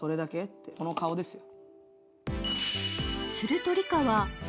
ってこの顔ですよ。